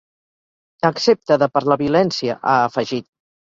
Excepte de per la violència, ha afegit.